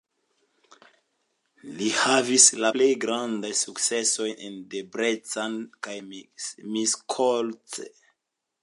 Li havis la plej grandajn sukcesojn en Debrecen kaj Miskolc.